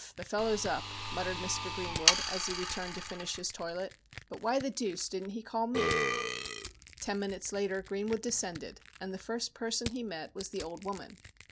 the fellow's up,' muttered Mr. Greenwood, as he returned to finish his toilet, ' but why the deuce didn't he call me ?' Ten minutes later Greenwood descended, and the first person he met was the old woman.